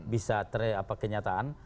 bisa terlihat kenyataan